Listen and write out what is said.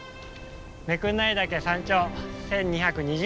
目国内岳山頂１，２２０ｍです。